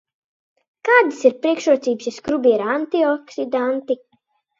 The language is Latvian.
Kādas ir priekšrocības, ja skrubī ir antioksidanti?